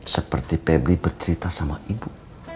seperti pebri bercerita sama ibu